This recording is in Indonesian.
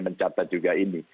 mencatat juga ini